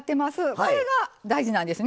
これが、大事なんですね。